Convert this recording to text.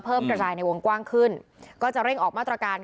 กระจายในวงกว้างขึ้นก็จะเร่งออกมาตรการ